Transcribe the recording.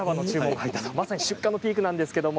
まさに出荷のピークです。